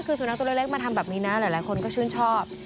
คือสุนัขตัวเล็กมาทำแบบนี้นะหลายคนก็ชื่นชอบ